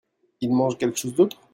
Ils mangent quelque chose d'autre ?